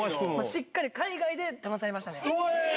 しっかり海外でダマされましたね。